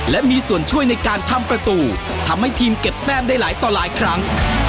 และมีส่วนช่วยในการทำประตูทำให้ทีมเก็บแต้มได้หลายต่อหลายครั้ง